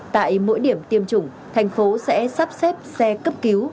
tại mỗi điểm tiêm chủng thành phố sẽ sắp xếp xe cấp cứu